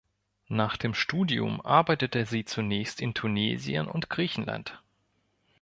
Nach dem Studium arbeitete sie zunächst in Tunesien und Griechenland.